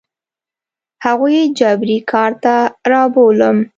هغوی جبري کار ته رابولم.